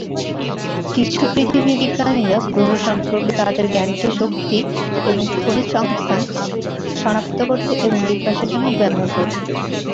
কিছু পৃথিবী বিজ্ঞানীরা গ্রহ সম্পর্কে তাদের জ্ঞানকে শক্তি এবং খনিজ সংস্থান শনাক্ত করতে এবং বিকাশের জন্য ব্যবহার করেন।